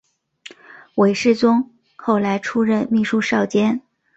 韦士宗后来出任秘书少监。